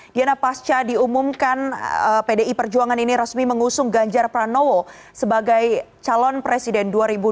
diana pasca diumumkan pdi perjuangan ini resmi mengusung ganjar pranowo sebagai calon presiden dua ribu dua puluh